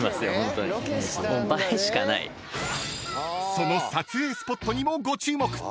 ［その撮影スポットにもご注目］